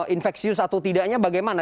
infeksius atau tidaknya bagaimana